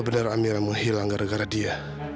sebenarnya amira menghilang gara gara dia